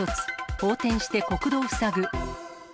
横転して国道塞ぐ。